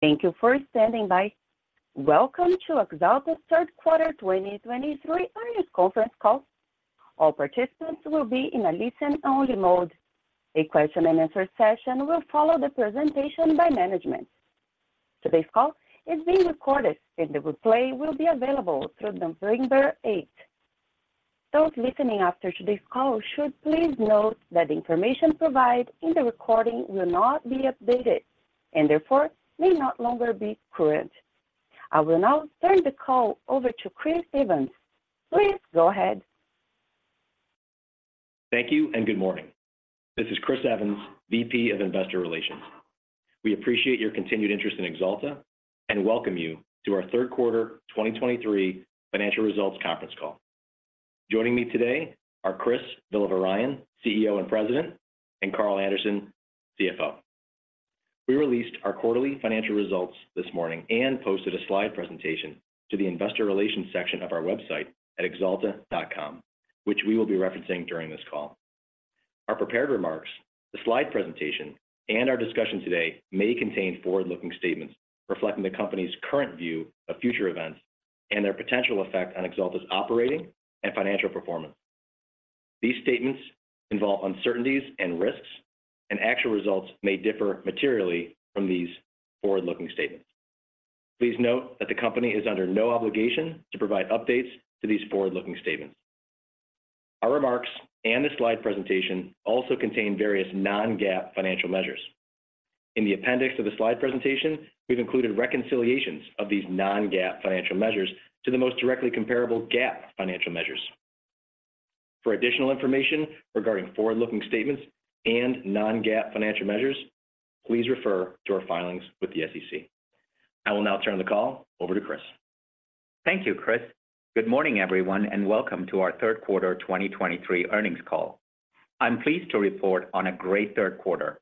Thank you for standing by. Welcome to Axalta's third quarter 2023 earnings conference call. All participants will be in a listen-only mode. A question-and-answer session will follow the presentation by management. Today's call is being recorded, and the replay will be available through November 8. Those listening after today's call should please note that the information provided in the recording will not be updated, and therefore may no longer be current. I will now turn the call over to Chris Evans. Please go ahead. Thank you, and good morning. This is Chris Evans, VP of Investor Relations. We appreciate your continued interest in Axalta, and welcome you to our third quarter 2023 financial results conference call. Joining me today are Chris Villavarayan, CEO and President, and Carl Anderson, CFO. We released our quarterly financial results this morning and posted a slide presentation to the investor relations section of our website at axalta.com, which we will be referencing during this call. Our prepared remarks, the slide presentation, and our discussion today may contain forward-looking statements reflecting the company's current view of future events and their potential effect on Axalta's operating and financial performance. These statements involve uncertainties and risks, and actual results may differ materially from these forward-looking statements. Please note that the company is under no obligation to provide updates to these forward-looking statements. Our remarks and the slide presentation also contain various non-GAAP financial measures. In the appendix of the slide presentation, we've included reconciliations of these non-GAAP financial measures to the most directly comparable GAAP financial measures. For additional information regarding forward-looking statements and non-GAAP financial measures, please refer to our filings with the SEC. I will now turn the call over to Chris. Thank you, Chris. Good morning, everyone, and welcome to our third quarter 2023 earnings call. I'm pleased to report on a great third quarter.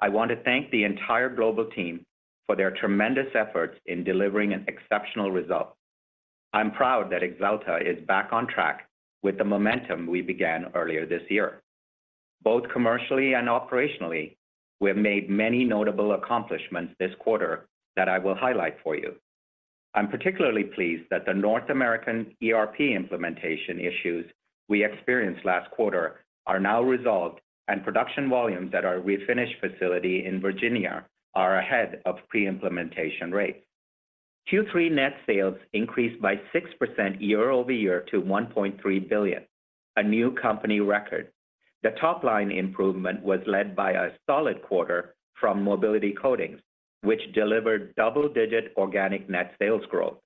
I want to thank the entire global team for their tremendous efforts in delivering an exceptional result. I'm proud that Axalta is back on track with the momentum we began earlier this year. Both commercially and operationally, we have made many notable accomplishments this quarter that I will highlight for you. I'm particularly pleased that the North American ERP implementation issues we experienced last quarter are now resolved, and production volumes at our refinish facility in Virginia are ahead of pre-implementation rates. Q3 net sales increased by 6% year-over-year to $1.3 billion, a new company record. The top-line improvement was led by a solid quarter from Mobility Coatings, which delivered double-digit organic net sales growth.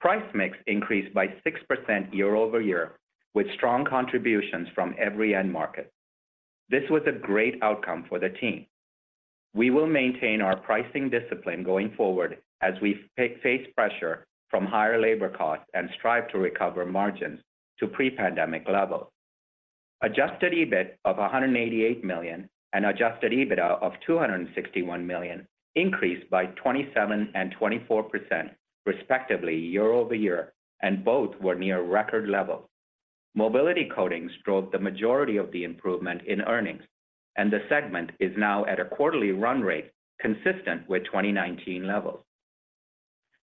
Price mix increased by 6% year-over-year, with strong contributions from every end market. This was a great outcome for the team. We will maintain our pricing discipline going forward as we face pressure from higher labor costs and strive to recover margins to pre-pandemic levels. Adjusted EBIT of $188 million and adjusted EBITDA of $261 million increased by 27 and 24, respectively, year-over-year, and both were near record levels. Mobility Coatings drove the majority of the improvement in earnings, and the segment is now at a quarterly run rate consistent with 2019 levels.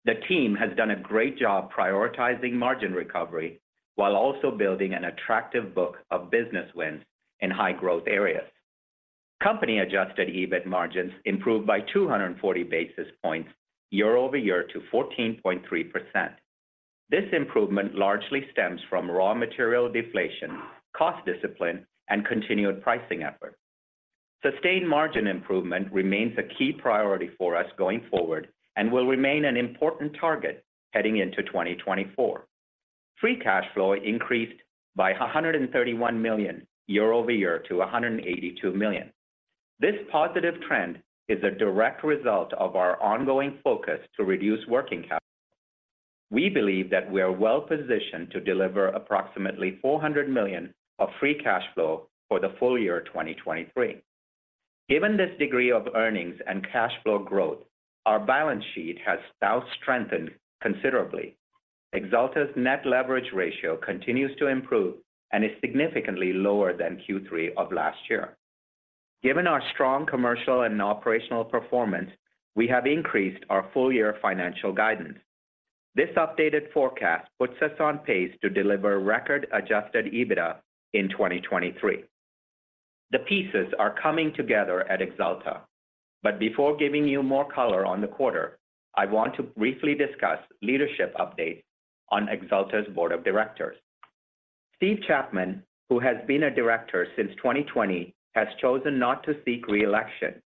The team has done a great job prioritizing margin recovery while also building an attractive book of business wins in high-growth areas. Company-adjusted EBIT margins improved by 240 basis points year-over-year to 14.3%. This improvement largely stems from raw material deflation, cost discipline, and continued pricing efforts. Sustained margin improvement remains a key priority for us going forward and will remain an important target heading into 2024. Free cash flow increased by $131 million year-over-year to $182 million. This positive trend is a direct result of our ongoing focus to reduce working capital. We believe that we are well positioned to deliver approximately $400 million of free cash flow for the full year 2023. Given this degree of earnings and cash flow growth, our balance sheet has now strengthened considerably. Axalta's net leverage ratio continues to improve and is significantly lower than Q3 of last year. Given our strong commercial and operational performance, we have increased our full-year financial guidance. This updated forecast puts us on pace to deliver record Adjusted EBITDA in 2023. The pieces are coming together at Axalta, but before giving you more color on the quarter, I want to briefly discuss leadership updates on Axalta's board of directors. Steve Chapman, who has been a director since 2020, has chosen not to seek re-election.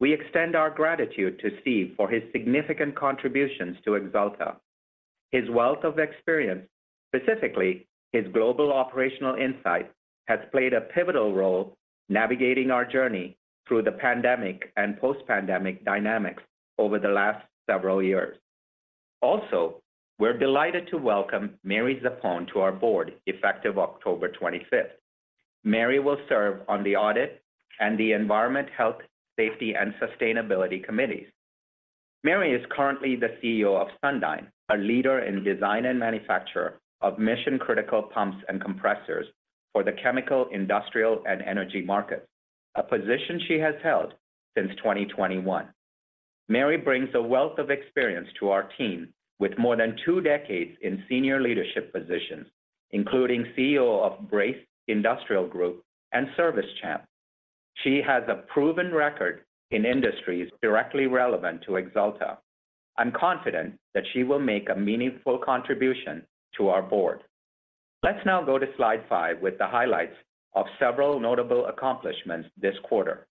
We extend our gratitude to Steve for his significant contributions to Axalta. His wealth of experience, specifically his global operational insight, has played a pivotal role navigating our journey through the pandemic and post-pandemic dynamics over the last several years. Also, we're delighted to welcome Mary Zappone to our board, effective October 25. Mary will serve on the Audit and the Environment, Health, Safety, and Sustainability Committees. Mary is currently the CEO of Sundyne, a leader in design and manufacture of mission-critical pumps and compressors... for the chemical, industrial, and energy markets, a position she has held since 2021. Mary brings a wealth of experience to our team, with more than two decades in senior leadership positions, including CEO of Brace Industrial Group and Service Champ. She has a proven record in industries directly relevant to Axalta. I'm confident that she will make a meaningful contribution to our board. Let's now go to slide 5 with the highlights of several notable accomplishments this quarter.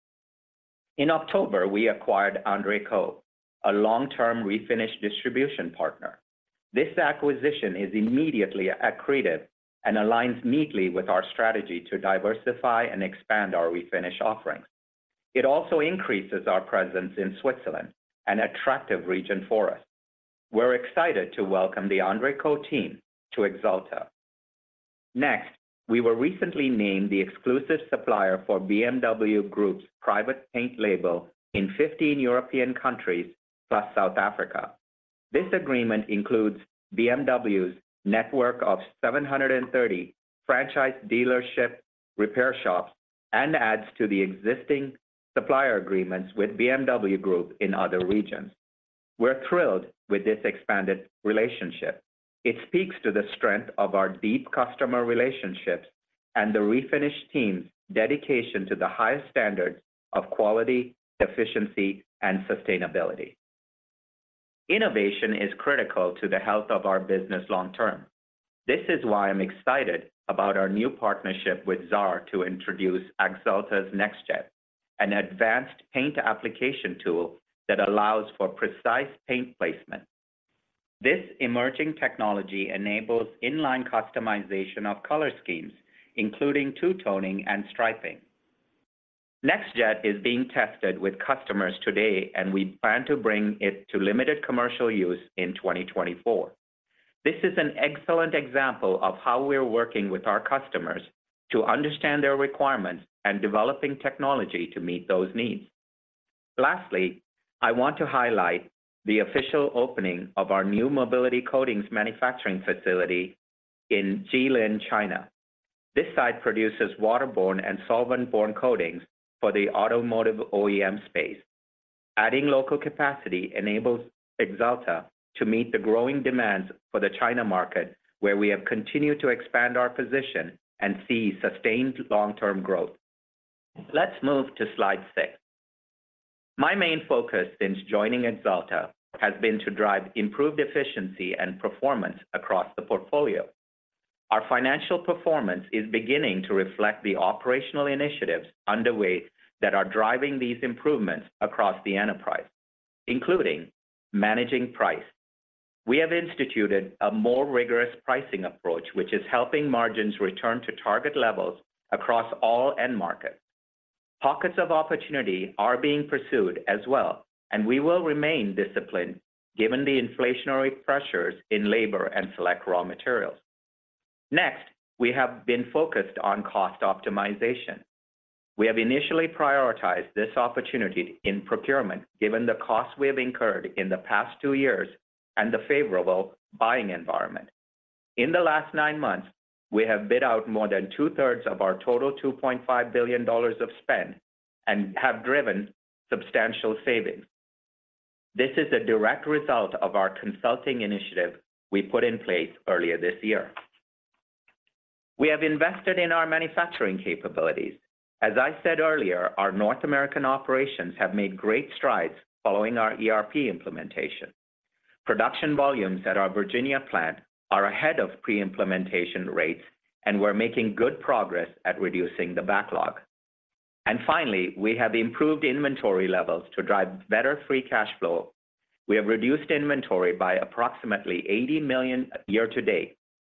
In October, we acquired André Koch a long-term refinish distribution partner. This acquisition is immediately accretive and aligns neatly with our strategy to diversify and expand our refinish offerings. It also increases our presence in Switzerland, an attractive region for us. We're excited to welcome the Andre Koch team to Axalta. Next, we were recently named the exclusive supplier for BMW Group's private paint label in 15 European countries, plus South Africa. This agreement includes BMW's network of 730 franchise dealership repair shops and adds to the existing supplier agreements with BMW Group in other regions. We're thrilled with this expanded relationship. It speaks to the strength of our deep customer relationships and the refinish team's dedication to the highest standards of quality, efficiency, and sustainability. Innovation is critical to the health of our business long term. This is why I'm excited about our new partnership with Xaar to introduce Axalta's NextJet, an advanced paint application tool that allows for precise paint placement. This emerging technology enables in-line customization of color schemes, including two-toning and striping. NextJet is being tested with customers today, and we plan to bring it to limited commercial use in 2024. This is an excellent example of how we're working with our customers to understand their requirements and developing technology to meet those needs. Lastly, I want to highlight the official opening of our new Mobility Coatings manufacturing facility in Jilin, China. This site produces waterborne and solvent-borne coatings for the automotive OEM space. Adding local capacity enables Axalta to meet the growing demands for the China market, where we have continued to expand our position and see sustained long-term growth. Let's move to slide 6. My main focus since joining Axalta has been to drive improved efficiency and performance across the portfolio. Our financial performance is beginning to reflect the operational initiatives underway that are driving these improvements across the enterprise, including managing price. We have instituted a more rigorous pricing approach, which is helping margins return to target levels across all end markets. Pockets of opportunity are being pursued as well, and we will remain disciplined, given the inflationary pressures in labor and select raw materials. Next, we have been focused on cost optimization. We have initially prioritized this opportunity in procurement, given the costs we have incurred in the past two years and the favorable buying environment. In the last nine months, we have bid out more than two-thirds of our total $2.5 billion of spend and have driven substantial savings. This is a direct result of our consulting initiative we put in place earlier this year. We have invested in our manufacturing capabilities. As I said earlier, our North American operations have made great strides following our ERP implementation. Production volumes at our Virginia plant are ahead of pre-implementation rates, and we're making good progress at reducing the backlog. Finally, we have improved inventory levels to drive better free cash flow. We have reduced inventory by approximately $80 million year to date.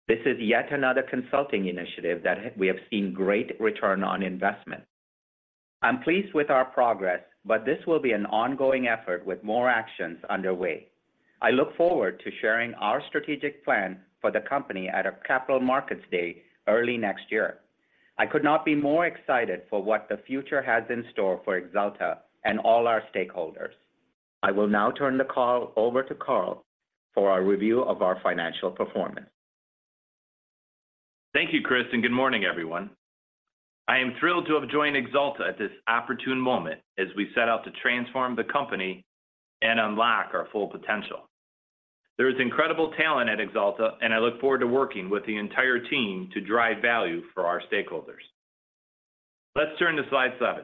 This is yet another consulting initiative that we have seen great return on investment. I'm pleased with our progress, but this will be an ongoing effort with more actions underway. I look forward to sharing our strategic plan for the company at a Capital Markets Day early next year. I could not be more excited for what the future has in store for Axalta and all our stakeholders. I will now turn the call over to Carl for our review of our financial performance. Thank you, Chris, and good morning, everyone. I am thrilled to have joined Axalta at this opportune moment as we set out to transform the company and unlock our full potential. There is incredible talent at Axalta, and I look forward to working with the entire team to drive value for our stakeholders. Let's turn to slide 7.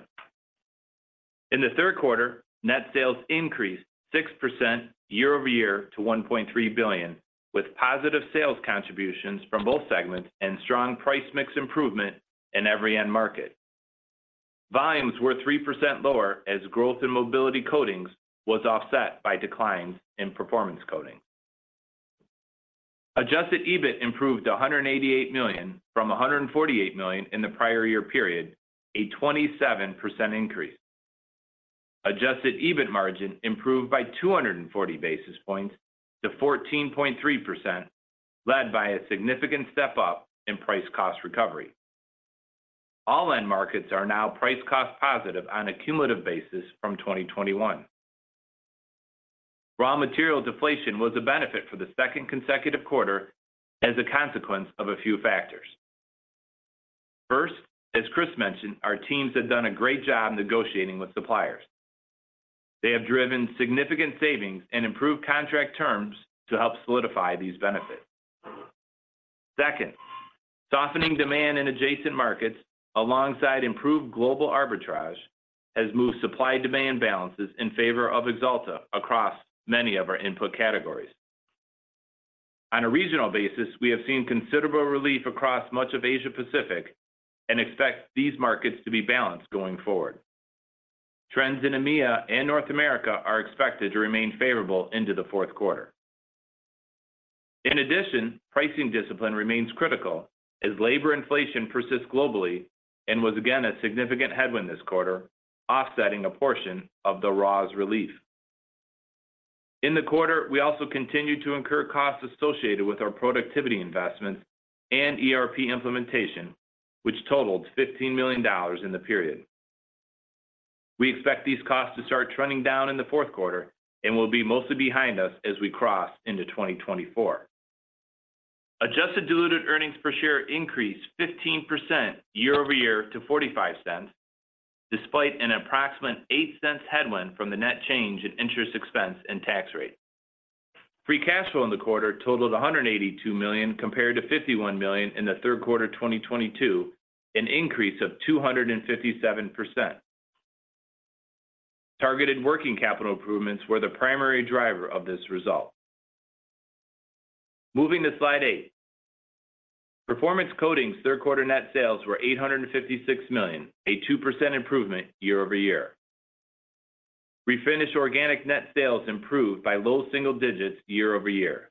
In the third quarter, net sales increased 6% year-over-year to $1.3 billion, with positive sales contributions from both segments and strong price mix improvement in every end market. Volumes were 3% lower as growth in Mobility Coatings was offset by declines in Performance Coatings. Adjusted EBIT improved $188 million from $148 million in the prior year period, a 27% increase. Adjusted EBIT margin improved by 240 basis points to 14.3%, led by a significant step-up in price cost recovery. All end markets are now price cost positive on a cumulative basis from 2021.... Raw material deflation was a benefit for the second consecutive quarter as a consequence of a few factors. First, as Chris mentioned, our teams have done a great job negotiating with suppliers. They have driven significant savings and improved contract terms to help solidify these benefits. Second, softening demand in adjacent markets, alongside improved global arbitrage, has moved supply-demand balances in favor of Axalta across many of our input categories. On a regional basis, we have seen considerable relief across much of Asia Pacific and expect these markets to be balanced going forward. Trends in EMEA and North America are expected to remain favorable into the fourth quarter. In addition, pricing discipline remains critical as labor inflation persists globally and was again a significant headwind this quarter, offsetting a portion of the raws relief. In the quarter, we also continued to incur costs associated with our productivity investments and ERP implementation, which totaled $15 million in the period. We expect these costs to start trending down in the fourth quarter and will be mostly behind us as we cross into 2024. Adjusted diluted earnings per share increased 15% year over year to $0.45, despite an approximate $0.08 headwind from the net change in interest expense and tax rate. Free cash flow in the quarter totaled $182 million, compared to $51 million in the third quarter of 2022, an increase of 257%. Targeted working capital improvements were the primary driver of this result. Moving to Slide 8. Performance Coatings' third quarter net sales were $856 million, a 2% improvement year-over-year. Refinish organic net sales improved by low single digits year-over-year.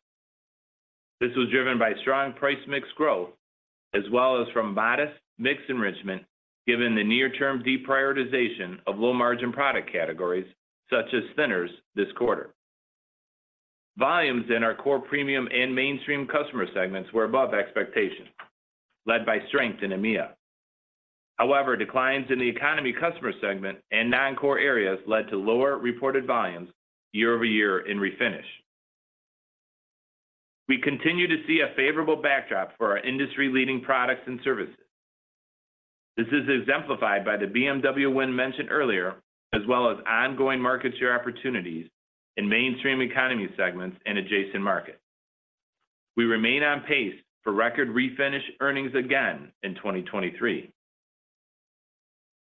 This was driven by strong price mix growth, as well as from modest mix enrichment, given the near-term deprioritization of low-margin product categories, such as thinners, this quarter. Volumes in our core premium and mainstream customer segments were above expectations, led by strength in EMEA. However, declines in the economy customer segment and non-core areas led to lower reported volumes year-over-year in Refinish. We continue to see a favorable backdrop for our industry-leading products and services. This is exemplified by the BMW win mentioned earlier, as well as ongoing market share opportunities in mainstream economy segments and adjacent markets. We remain on pace for record refinish earnings again in 2023.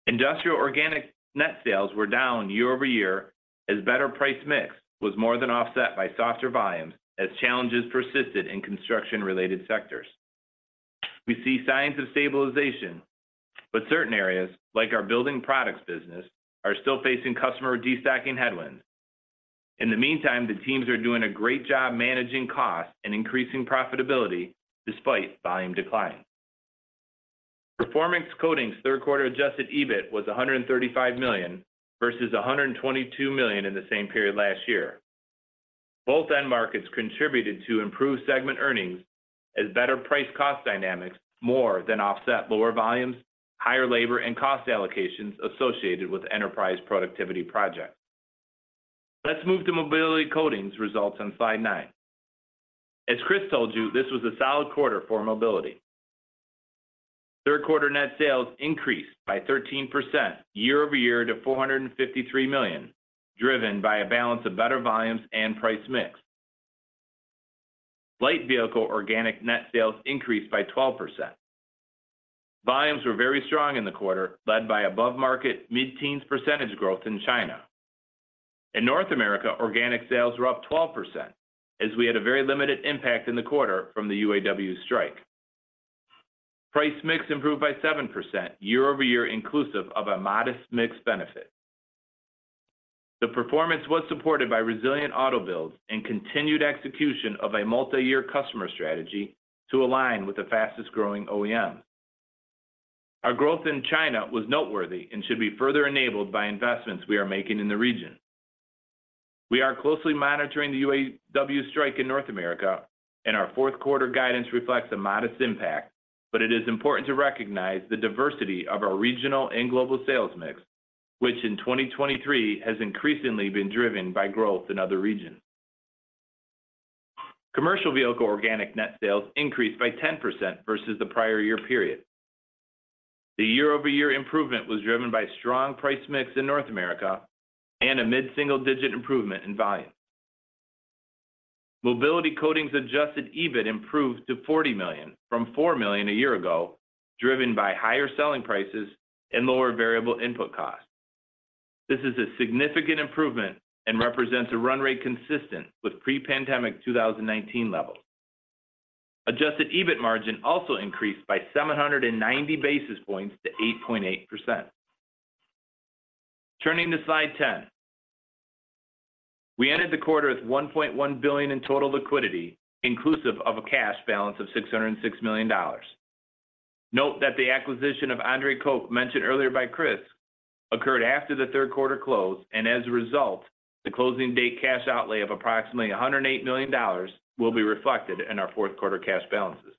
Industrial organic net sales were down year over year, as better price mix was more than offset by softer volumes, as challenges persisted in construction-related sectors. We see signs of stabilization, but certain areas, like our building products business, are still facing customer destocking headwinds. In the meantime, the teams are doing a great job managing costs and increasing profitability despite volume decline. Performance Coatings' third quarter Adjusted EBIT was $135 million, versus $122 million in the same period last year. Both end markets contributed to improved segment earnings as better price-cost dynamics more than offset lower volumes, higher labor and cost allocations associated with enterprise productivity projects. Let's move to Mobility Coatings results on Slide 9. As Chris told you, this was a solid quarter for Mobility. Third quarter net sales increased by 13% year-over-year to $453 million, driven by a balance of better volumes and price mix. Light vehicle organic net sales increased by 12%. Volumes were very strong in the quarter, led by above-market mid-teens% growth in China. In North America, organic sales were up 12%, as we had a very limited impact in the quarter from the UAW strike. Price mix improved by 7% year-over-year, inclusive of a modest mix benefit. The performance was supported by resilient auto builds and continued execution of a multi-year customer strategy to align with the fastest-growing OEMs. Our growth in China was noteworthy and should be further enabled by investments we are making in the region. We are closely monitoring the UAW strike in North America, and our fourth quarter guidance reflects a modest impact, but it is important to recognize the diversity of our regional and global sales mix, which in 2023 has increasingly been driven by growth in other regions. Commercial Vehicle organic net sales increased by 10% versus the prior year period. The year-over-year improvement was driven by strong Price Mix in North America and a mid-single-digit improvement in volume. Mobility Coatings' Adjusted EBIT improved to $40 million from $4 million a year ago, driven by higher selling prices and lower variable input costs. This is a significant improvement and represents a run rate consistent with pre-pandemic 2019 levels. Adjusted EBIT margin also increased by 790 basis points to 8.8%. Turning to Slide 10, we ended the quarter with $1.1 billion in total liquidity, inclusive of a cash balance of $606 million. Note that the acquisition of Andre Koch, mentioned earlier by Chris, occurred after the third quarter close, and as a result, the closing date cash outlay of approximately $108 million will be reflected in our fourth quarter cash balances.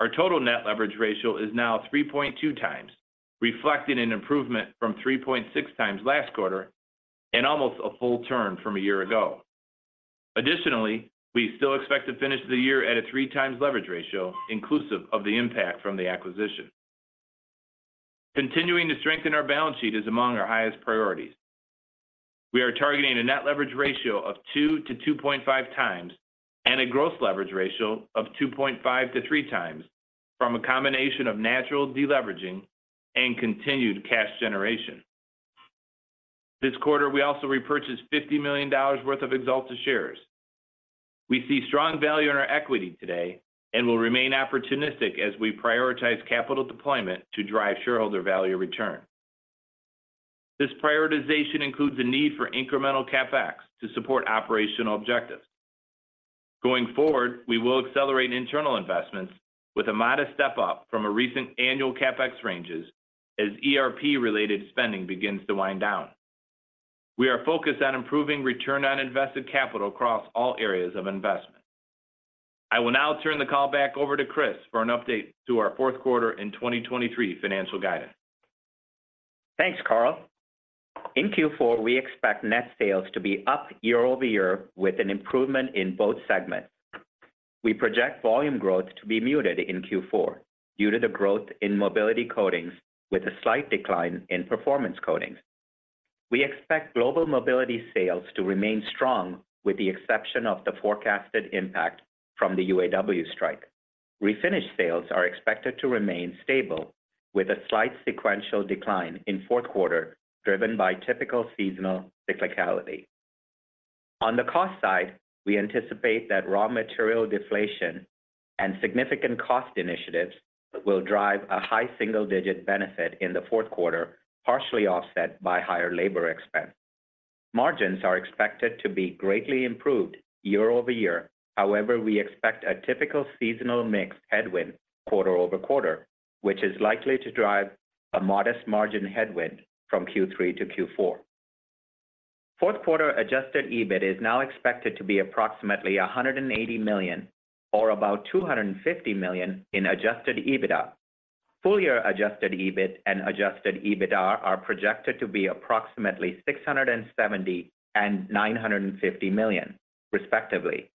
Our total net leverage ratio is now 3.2 times, reflecting an improvement from 3.6 times last quarter, and almost a full turn from a year ago. Additionally, we still expect to finish the year at a 3 times leverage ratio, inclusive of the impact from the acquisition. Continuing to strengthen our balance sheet is among our highest priorities. We are targeting a net leverage ratio of 2-2.5 times, and a gross leverage ratio of 2.5-3 times from a combination of natural deleveraging and continued cash generation. This quarter, we also repurchased $50 million worth of Axalta shares. We see strong value in our equity today and will remain opportunistic as we prioritize capital deployment to drive shareholder value return. This prioritization includes the need for incremental CapEx to support operational objectives. Going forward, we will accelerate internal investments with a modest step up from our recent annual CapEx ranges, as ERP-related spending begins to wind down. We are focused on improving return on invested capital across all areas of investment. I will now turn the call back over to Chris for an update to our fourth quarter in 2023 financial guidance. Thanks, Carl. In Q4, we expect net sales to be up year-over-year, with an improvement in both segments. We project volume growth to be muted in Q4, due to the growth in mobility coatings, with a slight decline in performance coatings. We expect global mobility sales to remain strong, with the exception of the forecasted impact from the UAW strike. Refinish sales are expected to remain stable, with a slight sequential decline in fourth quarter, driven by typical seasonal cyclicality. On the cost side, we anticipate that raw material deflation and significant cost initiatives will drive a high single-digit benefit in the fourth quarter, partially offset by higher labor expense. Margins are expected to be greatly improved year over year. However, we expect a typical seasonal mix headwind quarter-over-quarter, which is likely to drive a modest margin headwind from Q3 to Q4. Fourth quarter adjusted EBIT is now expected to be approximately $180 million, or about $250 million in adjusted EBITDA. Full-year adjusted EBIT and adjusted EBITDA are projected to be approximately $670 million and $950 million, respectively.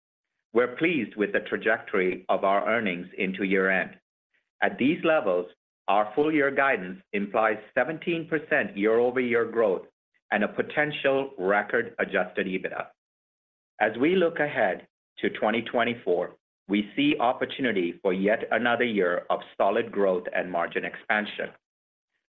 We're pleased with the trajectory of our earnings into year-end. At these levels, our full-year guidance implies 17% year-over-year growth and a potential record adjusted EBITDA. As we look ahead to 2024, we see opportunity for yet another year of solid growth and margin expansion.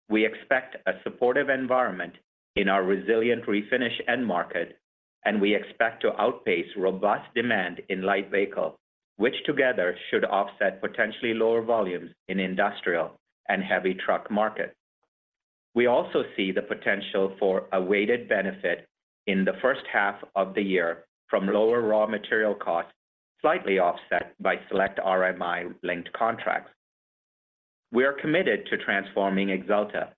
We expect a supportive environment in our resilient refinish end market, and we expect to outpace robust demand in light vehicle, which together should offset potentially lower volumes in industrial and heavy truck markets. We also see the potential for a weighted benefit in the first half of the year from lower raw material costs, slightly offset by select RMI-linked contracts. We are committed to transforming Axalta.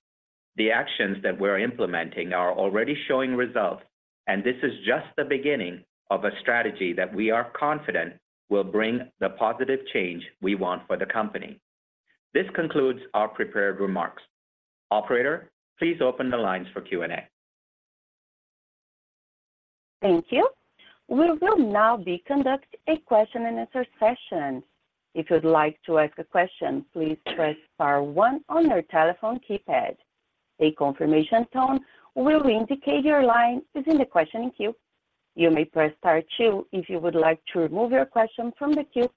The actions that we're implementing are already showing results, and this is just the beginning of a strategy that we are confident will bring the positive change we want for the company. This concludes our prepared remarks. Operator, please open the lines for Q&A. Thank you. We will now be conducting a question-and-answer session. If you'd like to ask a question, please press star one on your telephone keypad. A confirmation tone will indicate your line is in the questioning queue. You may press star two if you would like to remove your question from the queue.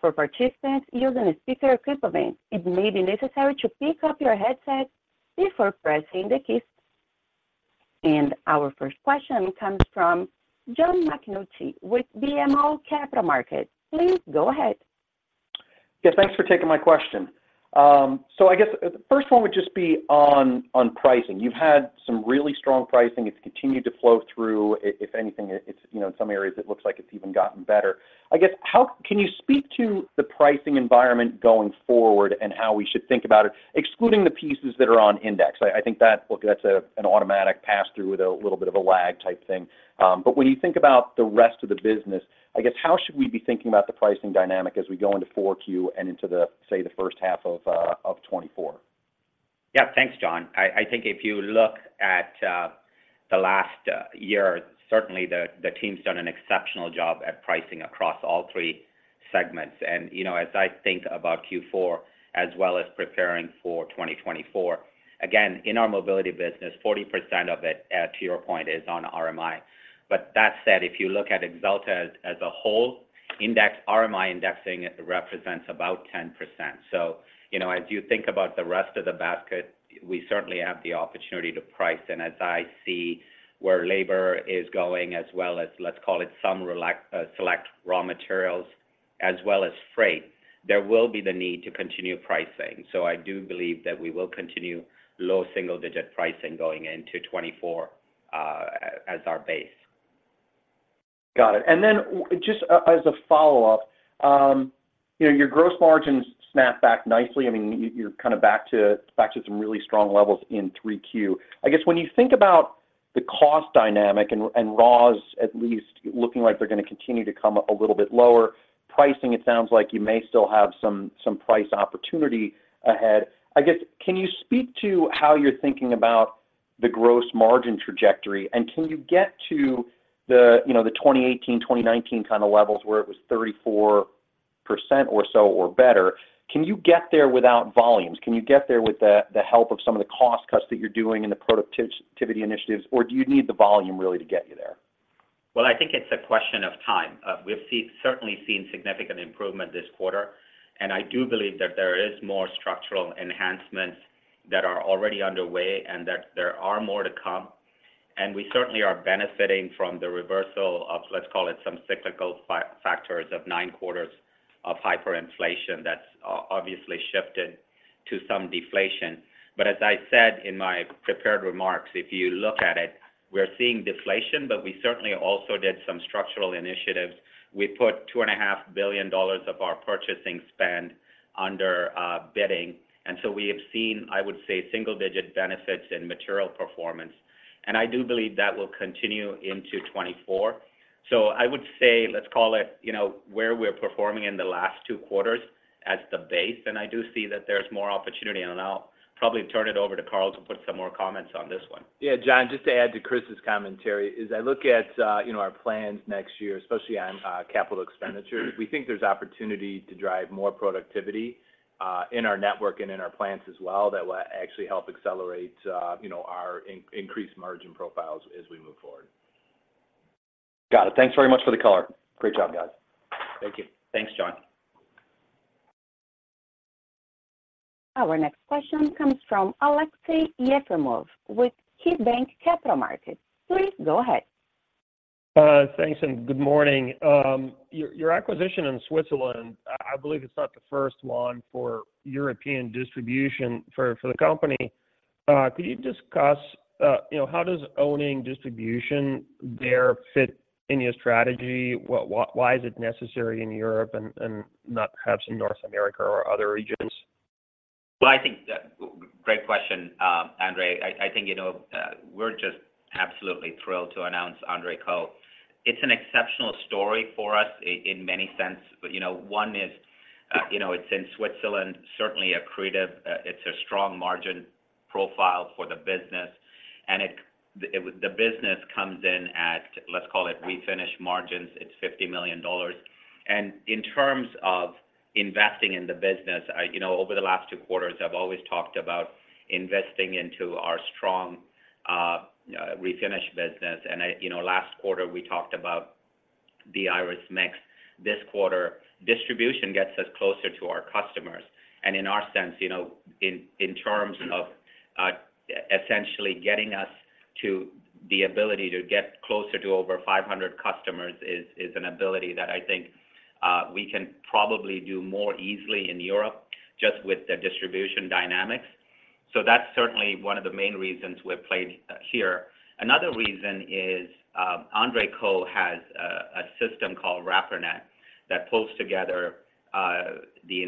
For participants using a speaker equipment, it may be necessary to pick up your headset before pressing the keys. Our first question comes from John McNulty with BMO Capital Markets. Please go ahead. Yes, thanks for taking my question. So I guess the first one would just be on pricing. You've had some really strong pricing. It's continued to flow through. If anything, it's, you know, in some areas, it looks like it's even gotten better. I guess, how can you speak to the pricing environment going forward and how we should think about it, excluding the pieces that are on index? I think that, look, that's an automatic pass-through with a little bit of a lag type thing. But when you think about the rest of the business, I guess, how should we be thinking about the pricing dynamic as we go into Q4 and into the, say, the first half of 2024? Yeah. Thanks, John. I think if you look at the last year, certainly the team's done an exceptional job at pricing across all three segments. And, you know, as I think about Q4, as well as preparing for 2024, again, in our mobility business, 40% of it, to your point, is on RMI. But that said, if you look at Axalta as a whole, index-RMI indexing, it represents about 10%. So, you know, as you think about the rest of the basket, we certainly have the opportunity to price. And as I see where labor is going, as well as, let's call it, some select raw materials, as well as freight, there will be the need to continue pricing. So I do believe that we will continue low single-digit pricing going into 2024, as our base. Got it. And then, just as a follow-up, you know, your gross margins snapped back nicely. I mean, you, you're kind of back to, back to some really strong levels in 3Q. I guess, when you think about-... the cost dynamic and raws at least looking like they're going to continue to come up a little bit lower. Pricing, it sounds like you may still have some price opportunity ahead. I guess, can you speak to how you're thinking about the gross margin trajectory? And can you get to the, you know, the 2018, 2019 kind of levels, where it was 34% or so or better? Can you get there without volumes? Can you get there with the help of some of the cost cuts that you're doing and the productivity initiatives, or do you need the volume really to get you there? Well, I think it's a question of time. We've certainly seen significant improvement this quarter, and I do believe that there is more structural enhancements that are already underway and that there are more to come. And we certainly are benefiting from the reversal of, let's call it, some cyclical factors of 9 quarters of hyperinflation that's obviously shifted to some deflation. But as I said in my prepared remarks, if you look at it, we're seeing deflation, but we certainly also did some structural initiatives. We put $2.5 billion of our purchasing spend under bidding, and so we have seen, I would say, single-digit benefits in material performance, and I do believe that will continue into 2024. I would say, let's call it, you know, where we're performing in the last two quarters as the base, and I do see that there's more opportunity, and I'll probably turn it over to Carl to put some more comments on this one. Yeah, John, just to add to Chris's commentary, as I look at, you know, our plans next year, especially on capital expenditures, we think there's opportunity to drive more productivity in our network and in our plants as well, that will actually help accelerate, you know, our increased margin profiles as we move forward. Got it. Thanks very much for the color. Great job, guys. Thank you. Thanks, John. Our next question comes from Aleksey Yefremov with KeyBanc Capital Markets. Please go ahead. Thanks, and good morning. Your acquisition in Switzerland, I believe it's not the first one for European distribution for the company. Could you discuss, you know, how does owning distribution there fit in your strategy? Why is it necessary in Europe and not perhaps in North America or other regions? Well, I think, great question, Andre. I think, you know, we're just absolutely thrilled to announce Andre Koch. It's an exceptional story for us in many sense. But, you know, one is, you know, it's in Switzerland, certainly accretive. It's a strong margin profile for the business, and it, the, the business comes in at, let's call it, refinish margins, it's $50 million. And in terms of investing in the business, I... You know, over the last two quarters, I've always talked about investing into our strong, refinish business. And you know, last quarter, we talked about the price mix. This quarter, distribution gets us closer to our customers, and in our sense, you know, in terms of essentially getting us to the ability to get closer to over 500 customers is an ability that I think we can probably do more easily in Europe just with the distribution dynamics. So that's certainly one of the main reasons we've played here. Another reason is, Andre Koch has a system called Reparnet that pulls together the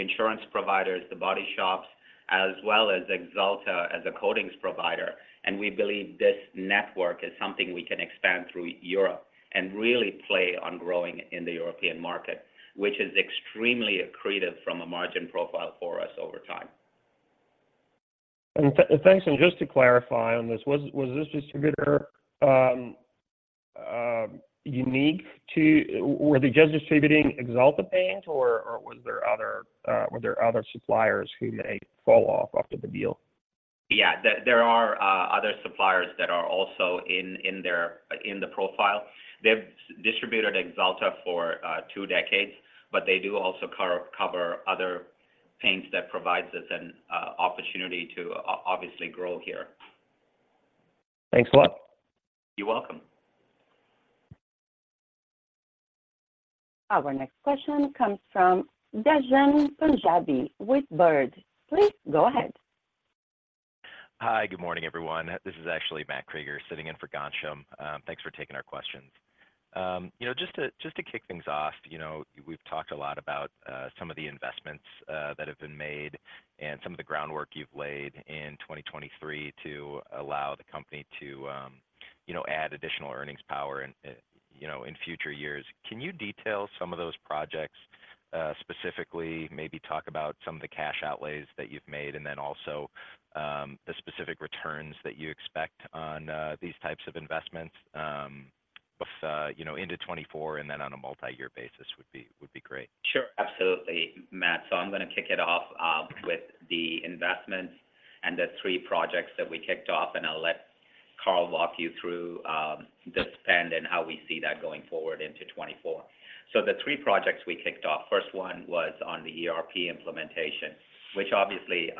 insurance providers, the body shops, as well as Axalta as a coatings provider. And we believe this network is something we can expand through Europe and really play on growing in the European market, which is extremely accretive from a margin profile for us over time. Thanks, and just to clarify on this, was this distributor unique to? Were they just distributing Axalta paint, or were there other suppliers who may fall off after the deal? Yeah. There are other suppliers that are also in there, in the profile. They've distributed Axalta for two decades, but they do also cover other paints that provides us an opportunity to obviously grow here. Thanks a lot. You're welcome. Our next question comes from Dajan Punjabi with Baird. Please go ahead. Hi, good morning, everyone. This is actually Matt Krieger sitting in for Dajan. Thanks for taking our questions. You know, just to, just to kick things off, you know, we've talked a lot about, some of the investments, that have been made and some of the groundwork you've laid in 2023 to allow the company to, you know, add additional earnings power in, you know, in future years. Can you detail some of those projects, specifically, maybe talk about some of the cash outlays that you've made, and then also, the specific returns that you expect on, these types of investments, both, you know, into 2024 and then on a multi-year basis would be- would be great. Sure. Absolutely, Matt. So I'm gonna kick it off with the investments and the three projects that we kicked off, and I'll let Carl walk you through the spend and how we see that going forward into 2024. So the three projects we kicked off, first one was on the ERP implementation, which obviously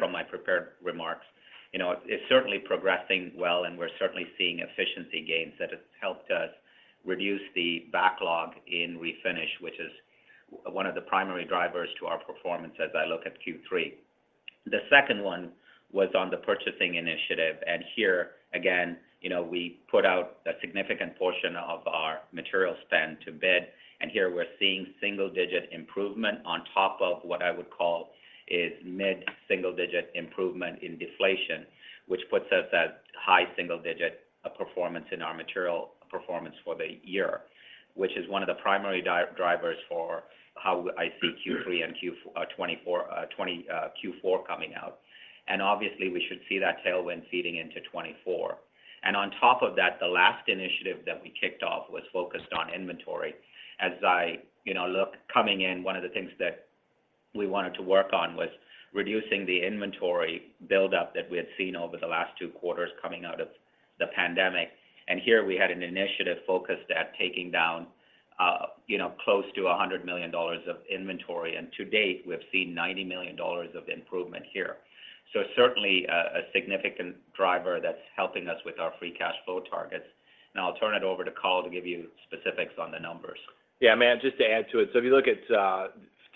from my prepared remarks, you know, is certainly progressing well, and we're certainly seeing efficiency gains that have helped us reduce the backlog in refinish, which is one of the primary drivers to our performance as I look at Q3. The second one was on the purchasing initiative, and here, again, you know, we put out a significant portion of our material spend to bid, and here we're seeing single-digit improvement on top of what I would call-... is mid-single-digit improvement in deflation, which puts us at high single-digit performance in our material performance for the year, which is one of the primary drivers for how I see Q3 and Q4 2024 coming out. And obviously, we should see that tailwind feeding into 2024. And on top of that, the last initiative that we kicked off was focused on inventory. As I, you know, look, coming in, one of the things that we wanted to work on was reducing the inventory buildup that we had seen over the last two quarters coming out of the pandemic. And here, we had an initiative focused at taking down, you know, close to $100 million of inventory, and to date, we've seen $90 million of improvement here. Certainly, a significant driver that's helping us with our Free Cash Flow targets. Now I'll turn it over to Carl to give you specifics on the numbers. Yeah, Matt, just to add to it. So if you look at,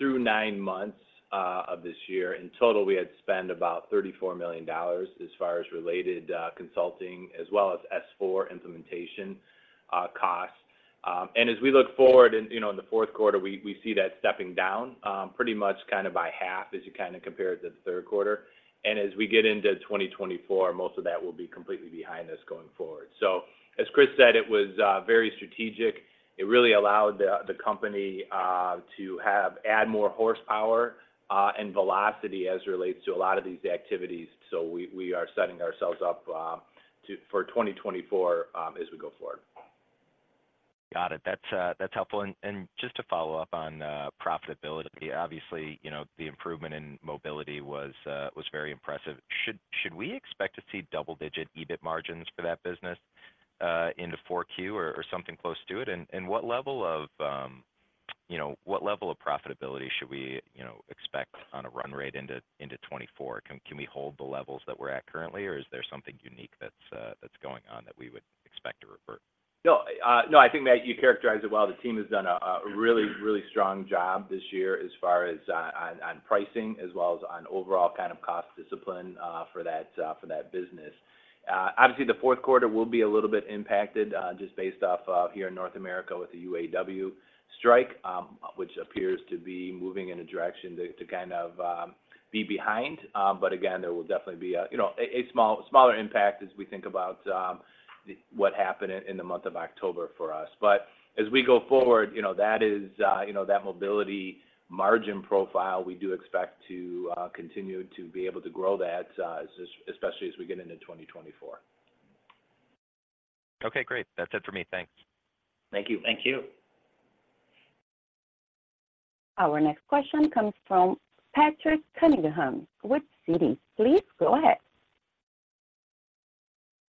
through 9 months, of this year, in total, we had spent about $34 million as far as related, consulting, as well as S/4 implementation, costs. And as we look forward in, you know, in the fourth quarter, we, we see that stepping down, pretty much kind of by half as you kind of compare it to the third quarter. And as we get into 2024, most of that will be completely behind us going forward. So as Chris said, it was, very strategic. It really allowed the, the company, to have, add more horsepower, and velocity as it relates to a lot of these activities. So we, we are setting ourselves up, to, for 2024, as we go forward. Got it. That's, that's helpful. And, and just to follow up on, profitability, obviously, you know, the improvement in mobility was, was very impressive. Should, should we expect to see double-digit EBIT margins for that business, into Q4 or, or something close to it? And, and what level of, you know, what level of profitability should we, you know, expect on a run rate into, into 2024? Can, can we hold the levels that we're at currently, or is there something unique that's, that's going on that we would expect to revert? No, no, I think, Matt, you characterized it well. The team has done a, a really, really strong job this year as far as, on, on pricing, as well as on overall kind of cost discipline, for that, for that business. Obviously, the fourth quarter will be a little bit impacted, just based off, here in North America with the UAW strike, which appears to be moving in a direction to, to kind of, be behind. But again, there will definitely be a, you know, a, a smaller impact as we think about, the, what happened in, in the month of October for us. As we go forward, you know, that is, you know, that mobility margin profile, we do expect to continue to be able to grow that, especially as we get into 2024. Okay, great. That's it for me. Thanks. Thank you. Thank you. Our next question comes from Patrick Cunningham with Citi. Please, go ahead.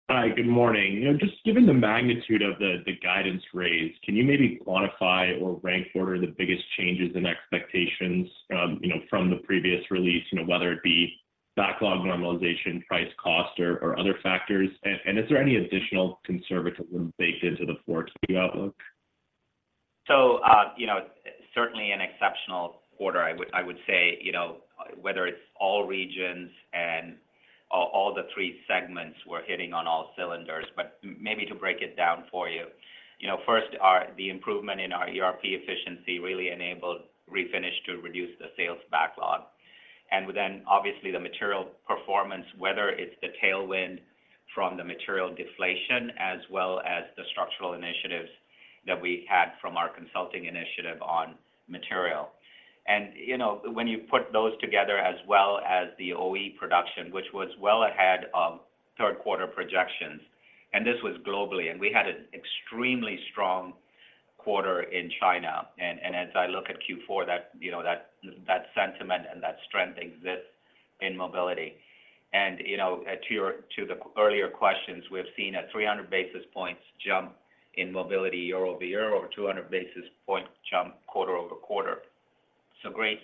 Hi, good morning. You know, just given the magnitude of the guidance raise, can you maybe quantify or rank order the biggest changes in expectations, you know, from the previous release, you know, whether it be backlog normalization, price cost, or other factors? Is there any additional conservatism baked into the forward-looking outlook? So, you know, certainly an exceptional quarter. I would say, you know, whether it's all regions and all the three segments were hitting on all cylinders. But maybe to break it down for you, you know, first, the improvement in our ERP efficiency really enabled Refinish to reduce the sales backlog. And then, obviously, the material performance, whether it's the tailwind from the material deflation as well as the structural initiatives that we had from our consulting initiative on material. And, you know, when you put those together, as well as the OE production, which was well ahead of third quarter projections, and this was globally, and we had an extremely strong quarter in China. And as I look at Q4, that, you know, that sentiment and that strength exists in mobility. You know, to the earlier questions, we've seen a 300 basis points jump in mobility year-over-year, or 200 basis point jump quarter-over-quarter. So great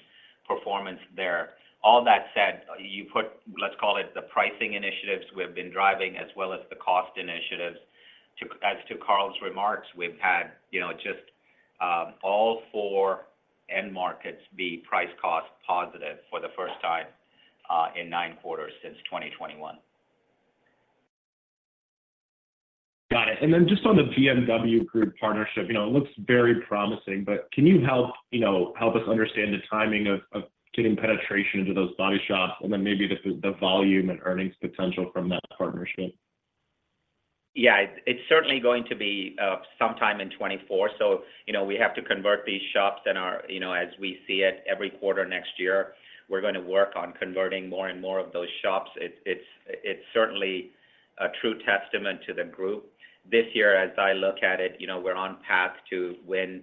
performance there. All that said, you put, let's call it, the pricing initiatives we've been driving, as well as the cost initiatives. As to Carl's remarks, we've had, you know, just, all four end markets be price cost positive for the first time, in 9 quarters since 2021. Got it. And then just on the BMW Group partnership, you know, it looks very promising, but can you help, you know, help us understand the timing of, of getting penetration into those body shops, and then maybe the the volume and earnings potential from that partnership? Yeah. It's certainly going to be sometime in 2024. So, you know, we have to convert these shops and our, you know, as we see it every quarter next year, we're going to work on converting more and more of those shops. It's certainly a true testament to the group. This year, as I look at it, you know, we're on path to win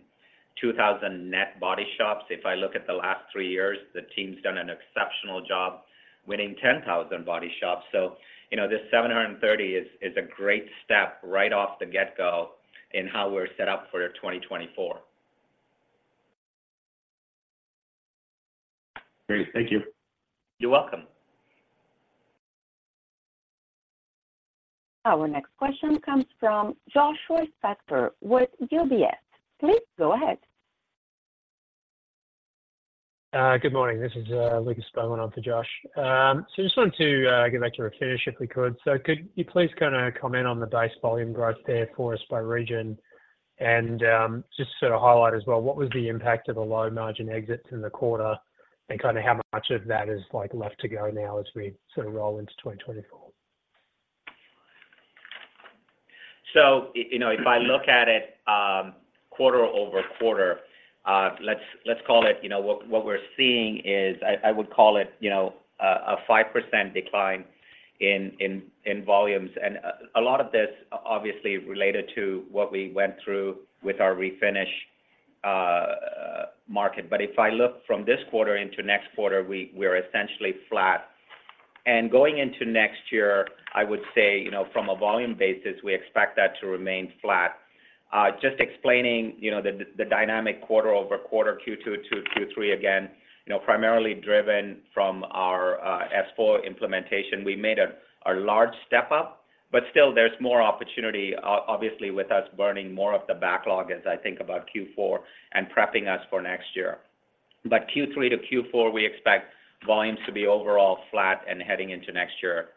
2,000 net body shops. If I look at the last three years, the team's done an exceptional job winning 10,000 body shops. So, you know, this 730 is a great step right off the get-go in how we're set up for 2024. Great. Thank you. You're welcome. Our next question comes from Joshua Spector with UBS. Please, go ahead. Good morning. This is Lucas Spellman on for Josh. So just wanted to go back to Refinish, if we could. Could you please kind of comment on the base volume growth there for us by region? Just to sort of highlight as well, what was the impact of the low-margin exits in the quarter? And kind of how much of that is, like, left to go now as we sort of roll into 2024? So, you know, if I look at it, quarter-over-quarter, let's call it, you know, what we're seeing is, I would call it, you know, a 5% decline in volumes. And a lot of this obviously related to what we went through with our refinish market. But if I look from this quarter into next quarter, we're essentially flat. And going into next year, I would say, you know, from a volume basis, we expect that to remain flat. Just explaining, you know, the dynamic quarter-over-quarter Q2 to Q3, again, you know, primarily driven from our S/4 implementation. We made a large step up, but still there's more opportunity, obviously, with us burning more of the backlog as I think about Q4 and prepping us for next year. Q3 to Q4, we expect volumes to be overall flat and heading into next year,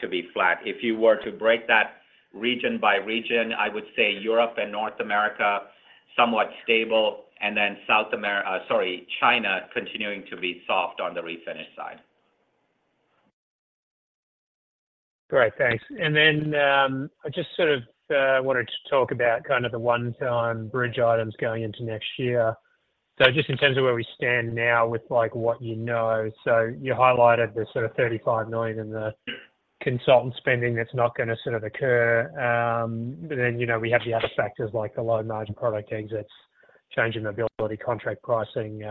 to be flat. If you were to break that region by region, I would say Europe and North America, somewhat stable, and then South America, sorry, China, continuing to be soft on the refinish side. Great, thanks. Then, I just sort of wanted to talk about kind of the one-time bridge items going into next year. So just in terms of where we stand now with, like, what you know. So you highlighted the sort of $35 million in the consultant spending that's not gonna sort of occur. But then, you know, we have the other factors like the low-margin product exits, change in availability, contract pricing,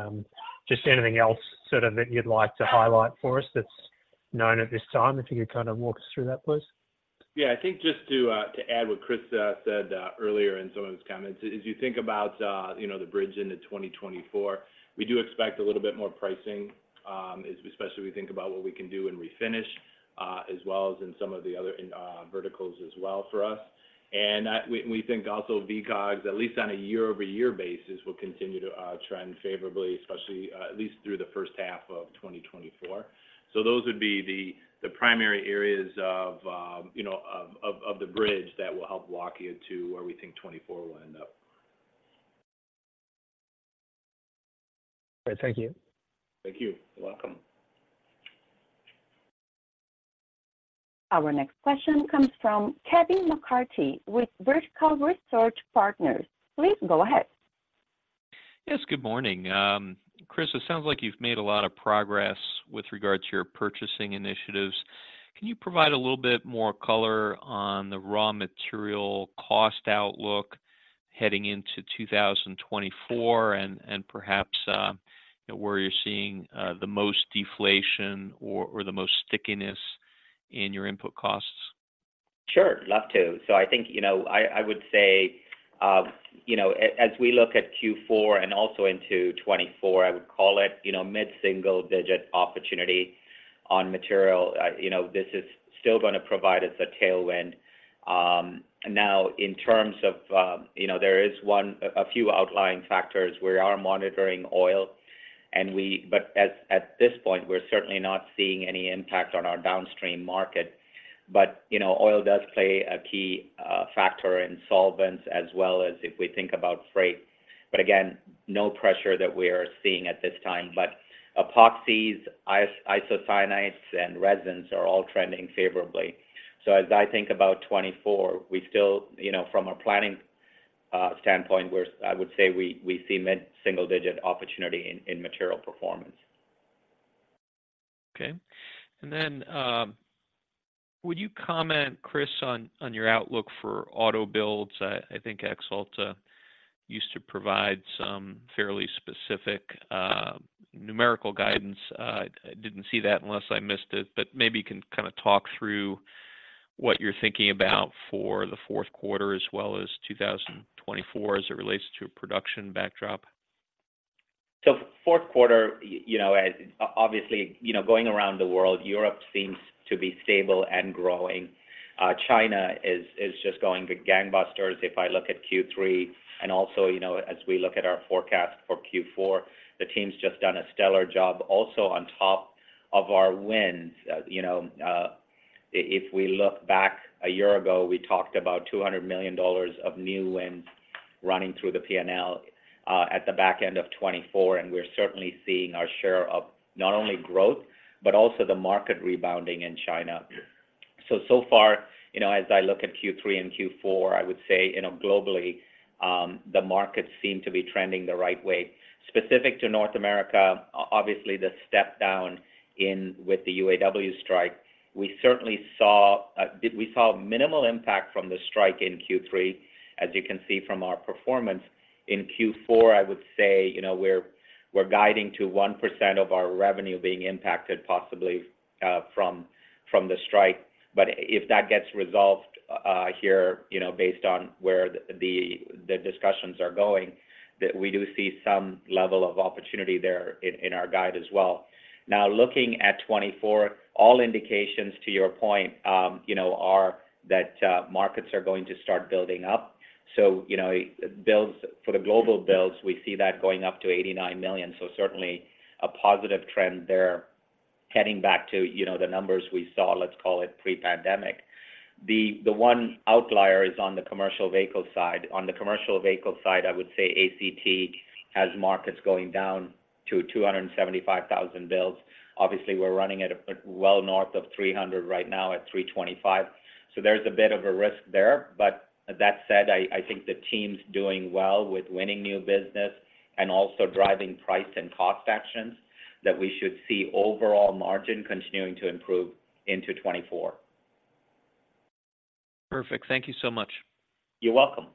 just anything else sort of that you'd like to highlight for us that's known at this time? If you could kind of walk us through that, please. Yeah, I think just to add what Chris said earlier in some of his comments, as you think about, you know, the bridge into 2024, we do expect a little bit more pricing, as especially we think about what we can do in refinish, as well as in some of the other verticals as well for us. And that we think also VCOGS, at least on a year-over-year basis, will continue to trend favorably, especially at least through the first half of 2024. So those would be the primary areas of, you know, of the bridge that will help walk you to where we think 2024 will end up. Great. Thank you. Thank you. You're welcome. Our next question comes from Kevin McCarthy with Vertical Research Partners. Please go ahead. Yes, good morning. Chris, it sounds like you've made a lot of progress with regards to your purchasing initiatives. Can you provide a little bit more color on the raw material cost outlook heading into 2024, and perhaps where you're seeing the most deflation or the most stickiness in your input costs? Sure, love to. So I think, you know, I would say, as we look at Q4 and also into 2024, I would call it, you know, mid-single digit opportunity on material. You know, this is still gonna provide us a tailwind. Now, in terms of, you know, there is one—a few outlying factors. We are monitoring oil, and we... But at this point, we're certainly not seeing any impact on our downstream market. But, you know, oil does play a key factor in solvents as well as if we think about freight. But again, no pressure that we are seeing at this time. But epoxies, isocyanates, and resins are all trending favorably. So as I think about 2024, we still, you know, from a planning standpoint, we're, I would say we see mid-single digit opportunity in material performance. Okay. And then, would you comment, Chris, on, on your outlook for auto builds? I, I think Axalta used to provide some fairly specific, numerical guidance. I didn't see that unless I missed it, but maybe you can kind of talk through what you're thinking about for the fourth quarter as well as 2024, as it relates to production backdrop. So fourth quarter, you know, as obviously, you know, going around the world, Europe seems to be stable and growing. China is just going to gangbusters. If I look at Q3 and also, you know, as we look at our forecast for Q4, the team's just done a stellar job also on top of our wins. You know, if we look back a year ago, we talked about $200 million of new wins running through the PNL, at the back end of 2024, and we're certainly seeing our share of not only growth, but also the market rebounding in China. So, so far, you know, as I look at Q3 and Q4, I would say, you know, globally, the markets seem to be trending the right way. Specific to North America, obviously, the step down in with the UAW strike, we certainly saw, we saw minimal impact from the strike in Q3, as you can see from our performance. In Q4, I would say, you know, we're, we're guiding to 1% of our revenue being impacted possibly, from, from the strike. But if that gets resolved, here, you know, based on where the, the discussions are going, that we do see some level of opportunity there in, in our guide as well. Now, looking at 2024, all indications, to your point, you know, are that, markets are going to start building up. So, you know, builds-- for the global builds, we see that going up to 89 million. So certainly a positive trend there.... heading back to, you know, the numbers we saw, let's call it pre-pandemic, the one outlier is on the commercial vehicle side. On the commercial vehicle side, I would say ACT has markets going down to 275,000 builds. Obviously, we're running at a, well north of 300 right now, at 325. So there's a bit of a risk there, but that said, I think the team's doing well with winning new business and also driving price and cost actions, that we should see overall margin continuing to improve into 2024. Perfect. Thank you so much. You're welcome.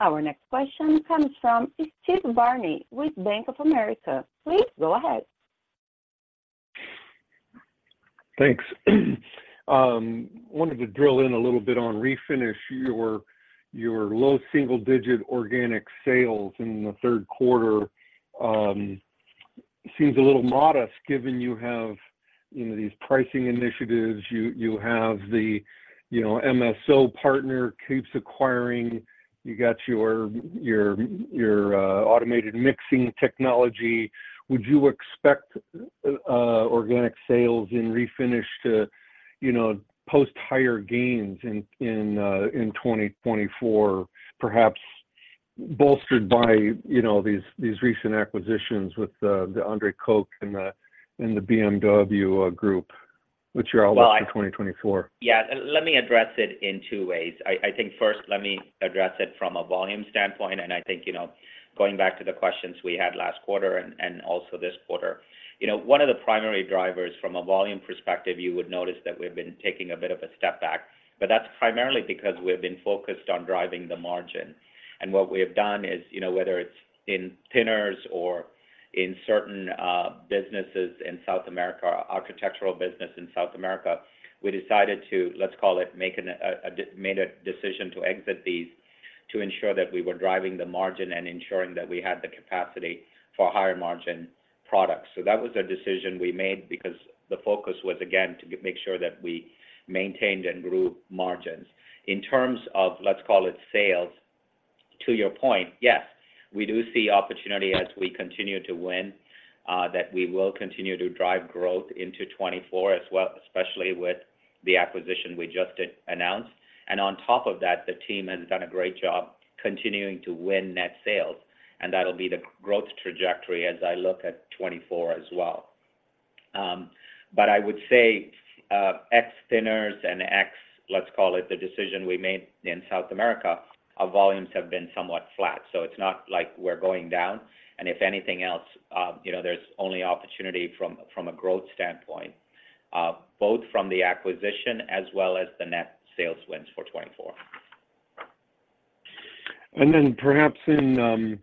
Our next question comes from Steve Byrne with Bank of America. Please go ahead. Thanks. Wanted to drill in a little bit on Refinish. Your, your low single-digit organic sales in the third quarter, seems a little modest, given you have, you know, these pricing initiatives, you, you have the, you know, MSO partner keeps acquiring, you got your, your, your, automated mixing technology. Would you expect, organic sales in Refinish to, you know, post higher gains in, in, in 2024, perhaps bolstered by, you know, these, these recent acquisitions with the, the Andre Koch and the, and the BMW, group, what's your outlook for 2024? Yeah, let me address it in two ways. I think first, let me address it from a volume standpoint, and I think, you know, going back to the questions we had last quarter and also this quarter, you know, one of the primary drivers from a volume perspective, you would notice that we've been taking a bit of a step back, but that's primarily because we've been focused on driving the margin. And what we have done is, you know, whether it's in thinners or in certain businesses in South America, architectural business in South America, we decided to, let's call it, made a decision to exit these to ensure that we were driving the margin and ensuring that we had the capacity for higher margin products. So that was a decision we made because the focus was, again, to make sure that we maintained and grew margins. In terms of, let's call it sales, to your point, yes, we do see opportunity as we continue to win that we will continue to drive growth into 2024 as well, especially with the acquisition we just announced. And on top of that, the team has done a great job continuing to win net sales, and that'll be the growth trajectory as I look at 2024 as well. But I would say, ex thinners and ex, let's call it the decision we made in South America, our volumes have been somewhat flat. So it's not like we're going down. If anything else, you know, there's only opportunity from a growth standpoint, both from the acquisition as well as the net sales wins for 2024. Then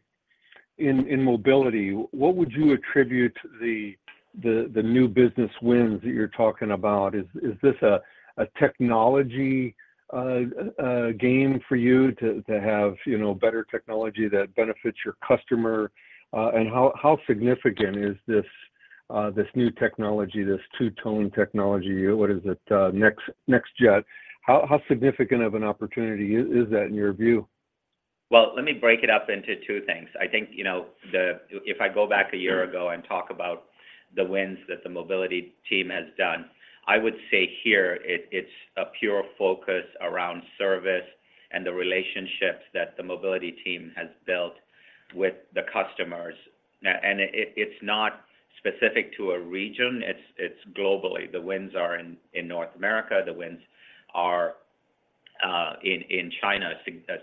perhaps in mobility, what would you attribute the new business wins that you're talking about? Is this a technology game for you to have, you know, better technology that benefits your customer? And how significant is this new technology, this two-tone technology? What is it? NextJet. How significant of an opportunity is that in your view? Well, let me break it up into two things. I think, you know, the—if I go back a year ago and talk about the wins that the mobility team has done, I would say here, it, it's a pure focus around service and the relationships that the mobility team has built with the customers. And it, it's not specific to a region, it's, it's globally. The wins are in North America, the wins are in China,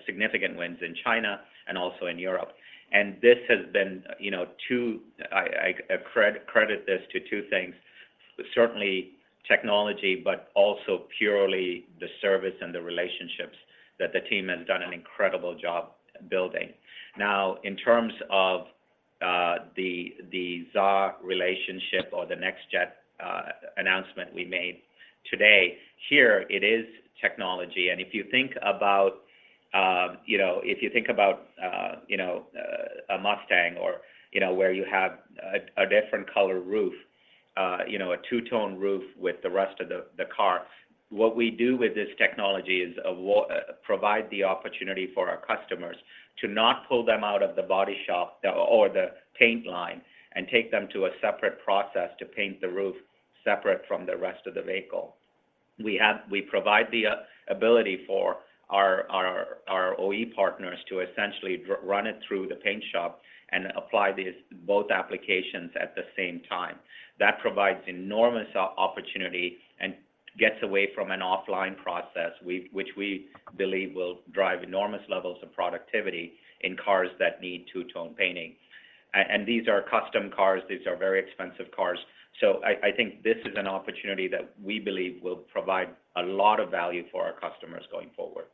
significant wins in China and also in Europe. And this has been, you know, two—I credit this to two things: certainly technology, but also purely the service and the relationships that the team has done an incredible job building. Now, in terms of the Xaar relationship or the NextJet announcement we made today, here it is technology. And if you think about, you know, if you think about a Mustang or, you know, where you have a different color roof, you know, a two-tone roof with the rest of the car, what we do with this technology is a way to provide the opportunity for our customers to not pull them out of the body shop or the paint line and take them to a separate process to paint the roof separate from the rest of the vehicle. We provide the ability for our OE partners to essentially run it through the paint shop and apply these both applications at the same time. That provides enormous opportunity and gets away from an offline process, which we believe will drive enormous levels of productivity in cars that need two-tone painting. And these are custom cars, these are very expensive cars. So I, I think this is an opportunity that we believe will provide a lot of value for our customers going forward.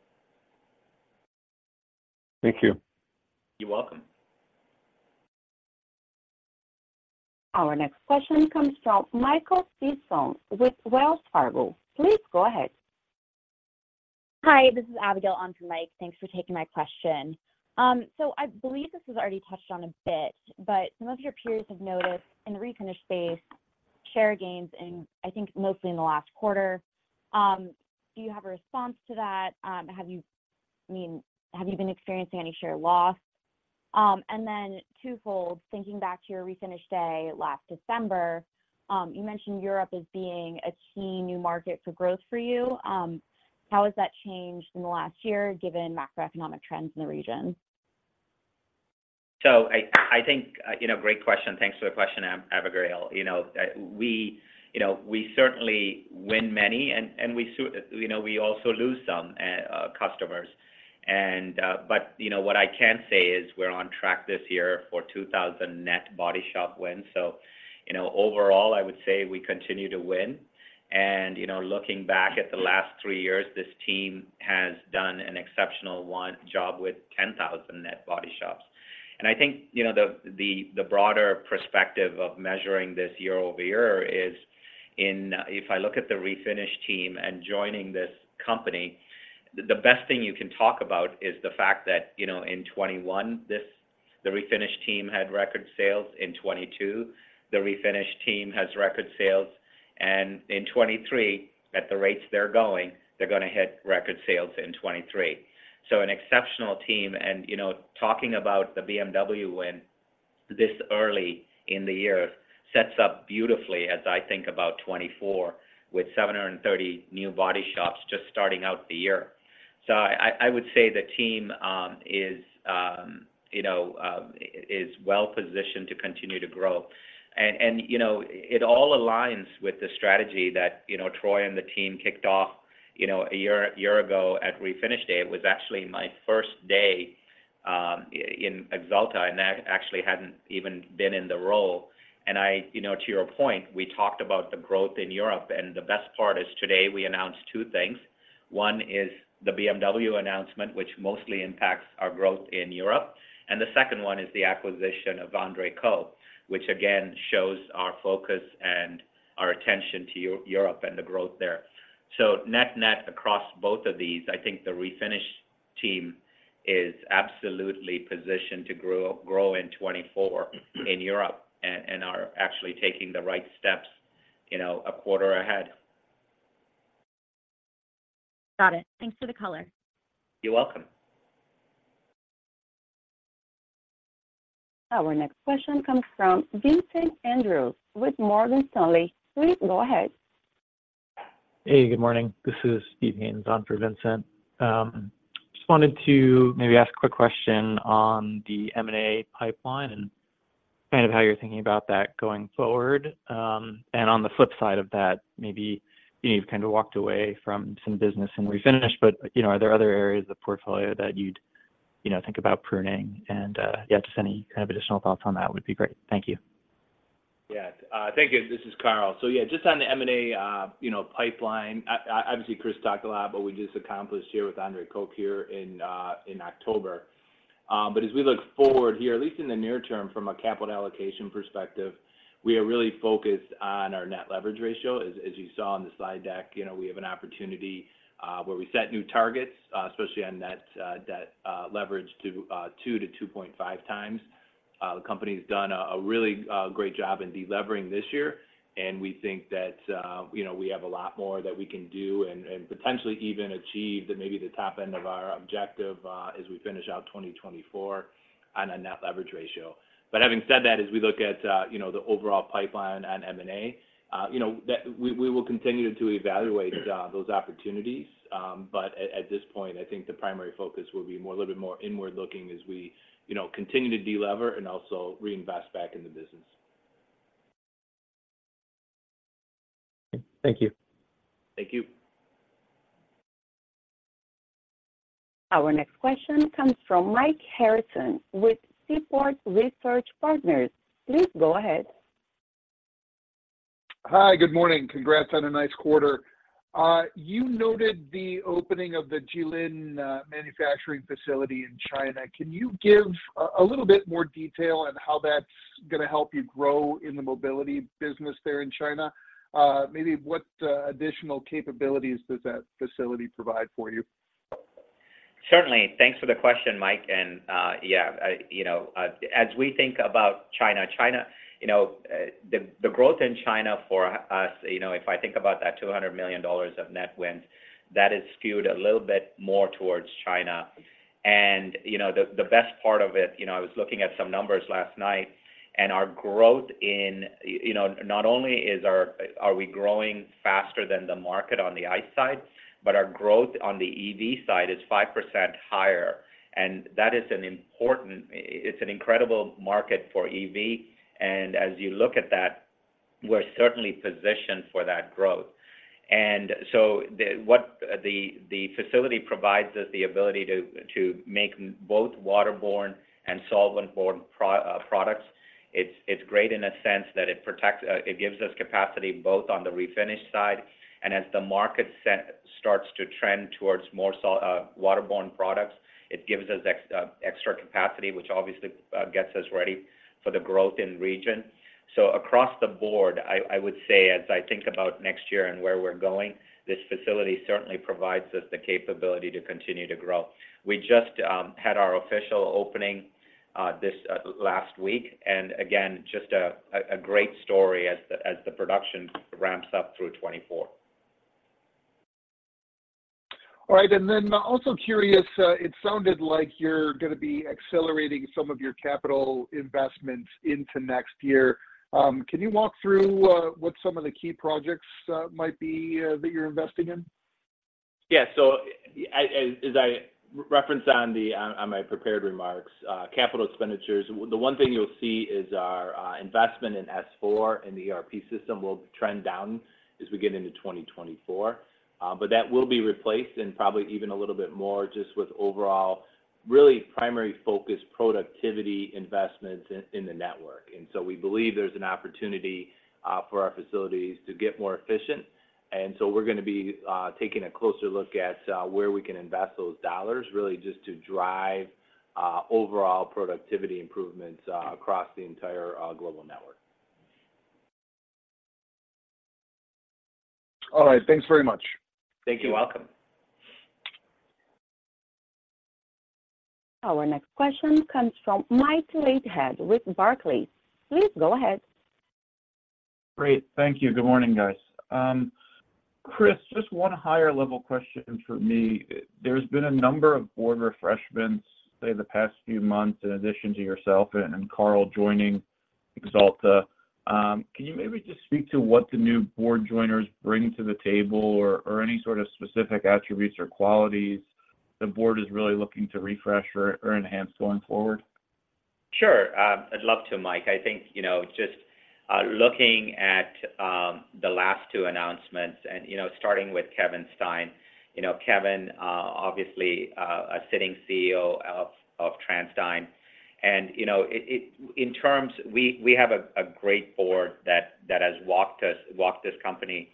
Thank you. You're welcome. Our next question comes from Michael Sison with Wells Fargo. Please go ahead. Hi, this is Abigail on for Mike. Thanks for taking my question. So I believe this is already touched on a bit, but some of your peers have noticed in the refinish space, share gains in, I think, mostly in the last quarter. Do you have a response to that? Have you, I mean, have you been experiencing any share loss? And then twofold, thinking back to your Refinish Day last December, you mentioned Europe as being a key new market for growth for you. How has that changed in the last year, given macroeconomic trends in the region? So I think, you know, great question. Thanks for the question, Abigail. You know, we, you know, we certainly win many, and we know, we also lose some customers. But, you know, what I can say is we're on track this year for 2,000 net body shop wins. So, you know, overall, I would say we continue to win. And, you know, looking back at the last three years, this team has done an exceptional job with 10,000 net body shops. And I think, you know, the broader perspective of measuring this year-over-year is if I look at the refinish team and joining this company, the best thing you can talk about is the fact that, you know, in 2021, the refinish team had record sales. In 2022, the refinish team has record sales, and in 2023, at the rates they're going, they're gonna hit record sales in 2023. So an exceptional team. And, you know, talking about the BMW win this early in the year sets up beautifully as I think about 2024, with 730 new body shops just starting out the year. So I, I would say the team is, you know, is well-positioned to continue to grow. And, and, you know, it all aligns with the strategy that, you know, Troy and the team kicked off, you know, a year, a year ago at Refinish Day. It was actually my first day in Axalta, and I actually hadn't even been in the role. And I, you know, to your point, we talked about the growth in Europe, and the best part is today we announced two things. One is the BMW announcement, which mostly impacts our growth in Europe, and the second one is the acquisition of André Koch, which again, shows our focus and our attention to Europe and the growth there. So net-net, across both of these, I think the refinish team is absolutely positioned to grow in 2024 in Europe, and are actually taking the right steps, you know, a quarter ahead. Got it. Thanks for the color. You're welcome. Our next question comes from Vincent Andrews with Morgan Stanley. Please go ahead. Hey, good morning. This is Stephen Haynes on for Vincent. Just wanted to maybe ask a quick question on the M&A pipeline and kind of how you're thinking about that going forward. And on the flip side of that, maybe you've kind of walked away from some business and refinish, but, you know, are there other areas of the portfolio that you'd, you know, think about pruning? And, yeah, just any kind of additional thoughts on that would be great. Thank you. Yeah. Thank you. This is Carl. So, yeah, just on the M&A, you know, pipeline, I obviously, Chris talked a lot about we just accomplished here with Andre Koch here in October. But as we look forward here, at least in the near term, from a capital allocation perspective, we are really focused on our net leverage ratio. As you saw on the slide deck, you know, we have an opportunity where we set new targets, especially on net debt leverage to 2-2.5 times. The company's done a really great job in delevering this year, and we think that, you know, we have a lot more that we can do and potentially even achieve that maybe the top end of our objective as we finish out 2024 on a Net Leverage Ratio. But having said that, as we look at, you know, the overall pipeline on M&A, you know, that we will continue to evaluate those opportunities. But at this point, I think the primary focus will be more, a little bit more inward-looking as we, you know, continue to delever and also reinvest back in the business. Thank you. Thank you. Our next question comes from Mike Harrison with Seaport Research Partners. Please go ahead. Hi, good morning. Congrats on a nice quarter. You noted the opening of the Jilin manufacturing facility in China. Can you give a little bit more detail on how that's gonna help you grow in the mobility business there in China? Maybe what additional capabilities does that facility provide for you? Certainly. Thanks for the question, Mike. And, yeah, you know, as we think about China, China, you know, the growth in China for us, you know, if I think about that $200 million of net wins, that is skewed a little bit more towards China. You know, the best part of it, you know, I was looking at some numbers last night, and our growth in—you know, not only is our, are we growing faster than the market on the ICE side, but our growth on the EV side is 5% higher, and that is an important—it's an incredible market for EV. And as you look at that, we're certainly positioned for that growth. And so what the facility provides us the ability to make both waterborne and solvent-borne products. It's great in a sense that it protects, it gives us capacity both on the refinish side, and as the market set starts to trend towards more waterborne products, it gives us extra capacity, which obviously gets us ready for the growth in region. So across the board, I would say, as I think about next year and where we're going, this facility certainly provides us the capability to continue to grow. We just had our official opening this last week. And again, just a great story as the production ramps up through 2024. All right. And then I'm also curious, it sounded like you're gonna be accelerating some of your capital investments into next year. Can you walk through what some of the key projects might be that you're investing in? Yeah. So as I referenced in my prepared remarks, capital expenditures, the one thing you'll see is our investment in S/4 and the ERP system will trend down as we get into 2024. But that will be replaced and probably even a little bit more, just with overall, really primary focus productivity investments in the network. And so we believe there's an opportunity for our facilities to get more efficient. And so we're gonna be taking a closer look at where we can invest those dollars, really just to drive overall productivity improvements across the entire global network. All right. Thanks very much. Thank you. Welcome. Our next question comes from Mike Leithead with Barclays. Please go ahead. Great. Thank you. Good morning, guys. Chris, just one higher level question for me. There's been a number of board refreshments over the past few months, in addition to yourself and Carl joining Axalta. Can you maybe just speak to what the new board joiners bring to the table, or, or any sort of specific attributes or qualities the board is really looking to refresh or, or enhance going forward? Sure. I'd love to, Mike. I think, you know, just looking at the last two announcements and, you know, starting with Kevin Stein. You know, Kevin obviously a sitting CEO of TransDigm, and, you know, in terms—we have a great board that has walked us, walked this company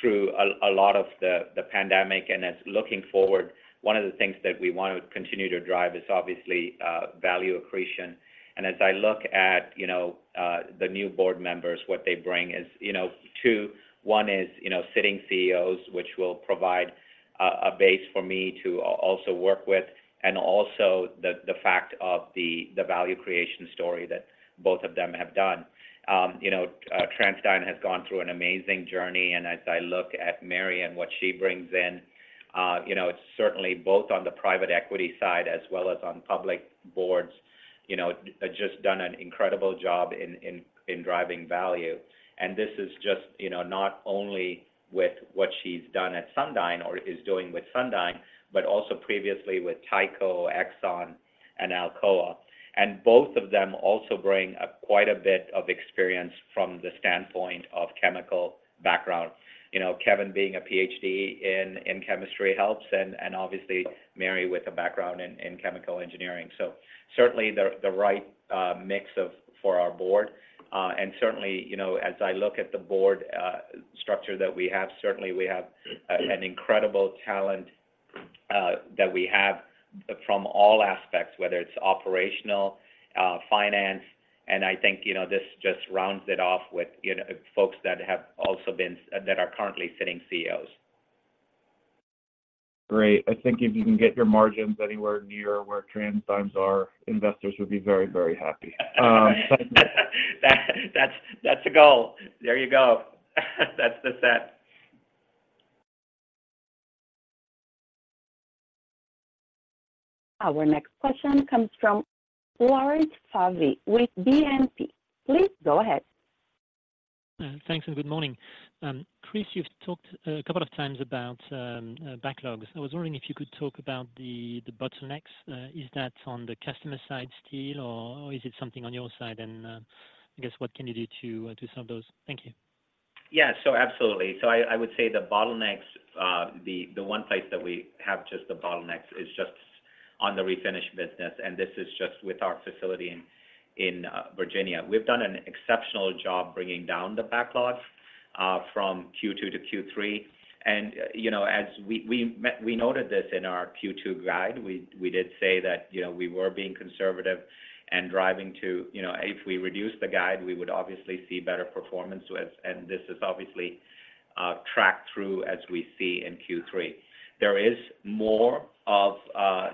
through a lot of the pandemic, and is looking forward. One of the things that we want to continue to drive is obviously value accretion. And as I look at, you know, the new board members, what they bring is, you know, two: one is, you know, sitting CEOs, which will provide a base for me to also work with, and also the fact of the value creation story that both of them have done. You know, TransDigm has gone through an amazing journey, and as I look at Mary and what she brings in, you know, it's certainly both on the private equity side as well as on public boards, you know, just done an incredible job in driving value. And this is just, you know, not only with what she's done at Sundyne or is doing with Sundyne, but also previously with Tyco, Exxon, and Alcoa. And both of them also bring up quite a bit of experience from the standpoint of chemical background. You know, Kevin, being a Ph.D. in chemistry, helps, and obviously, Mary with a background in chemical engineering. So certainly, the right mix of for our board. Certainly, you know, as I look at the board structure that we have, certainly we have an incredible talent that we have from all aspects, whether it's operational, finance, and I think, you know, this just rounds it off with, you know, folks that are currently sitting CEOs. Great. I think if you can get your margins anywhere near where TransDigm's are, investors would be very, very happy. That's a goal. There you go. That's the set. Our next question comes from Laurent Favre with BNP. Please go ahead. Thanks, and good morning. Chris, you've talked a couple of times about backlogs. I was wondering if you could talk about the bottlenecks. Is that on the customer side still, or is it something on your side? And I guess, what can you do to solve those? Thank you. Yeah, so absolutely. So I would say the bottlenecks, the one place that we have just the bottlenecks is just on the refinish business, and this is just with our facility in Virginia. We've done an exceptional job bringing down the backlogs from Q2 to Q3. And, you know, as we noted this in our Q2 guide, we did say that, you know, we were being conservative and driving to-- You know, if we reduce the guide, we would obviously see better performance with, and this is obviously tracked through as we see in Q3. There is more of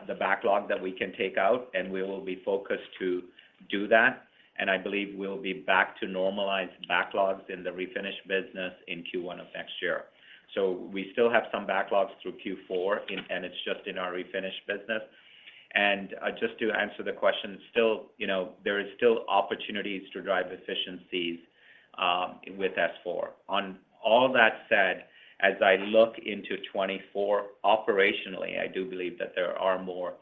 the backlog that we can take out, and we will be focused to do that, and I believe we'll be back to normalized backlogs in the refinish business in Q1 of next year. So we still have some backlogs through Q4, and, and it's just in our refinish business. And, just to answer the question, still, you know, there is still opportunities to drive efficiencies, with S/4. On all that said, as I look into 2024, operationally, I do believe that there are more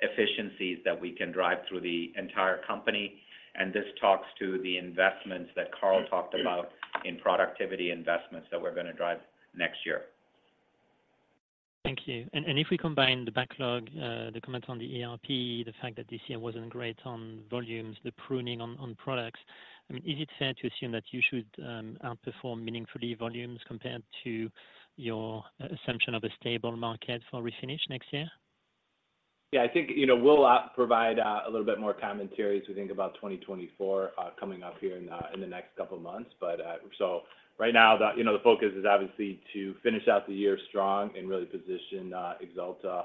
efficiencies that we can drive through the entire company, and this talks to the investments that Carl talked about in productivity investments that we're gonna drive next year. Thank you. And if we combine the backlog, the comment on the ERP, the fact that this year wasn't great on volumes, the pruning on products, I mean, is it fair to assume that you should outperform meaningfully volumes compared to your assumption of a stable market for refinish next year? Yeah, I think, you know, we'll provide a little bit more commentary as we think about 2024 coming up here in the next couple of months. But so right now, the, you know, the focus is obviously to finish out the year strong and really position Axalta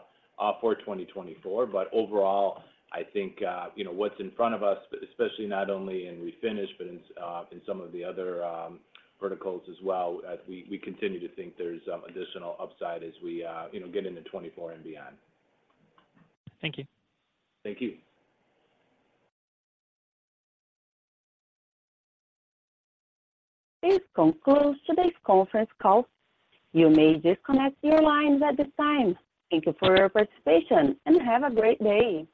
for 2024. But overall, I think, you know, what's in front of us, especially not only in refinish, but in some of the other verticals as well, we continue to think there's additional upside as we, you know, get into 2024 and beyond. Thank you. Thank you. This concludes today's conference call. You may disconnect your lines at this time. Thank you for your participation, and have a great day.